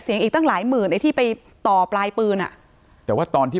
อีกตั้งหลายหมื่นไอ้ที่ไปต่อปลายปืนอ่ะแต่ว่าตอนที่